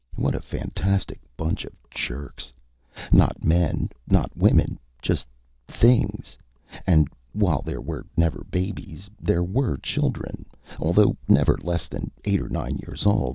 What a fantastic bunch of jerks! Not men, not women, just things. And while there were never babies, there were children, although never less than eight or nine years old.